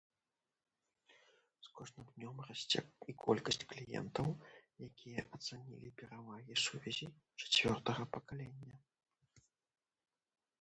З кожным днём расце і колькасць кліентаў, якія ацанілі перавагі сувязі чацвёртага пакалення.